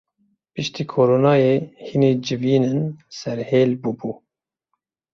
Piştî koronayê hînî civînên serhêl bûbû.